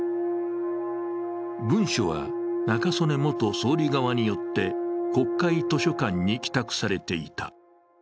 文書は、中曽根元総理側によって国会図書館に寄託されていた。